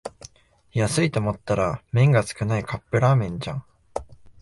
安いと思ったら麺が少ないカップラーメンじゃん